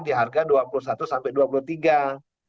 di harga rp dua puluh satu sampai rp dua puluh tiga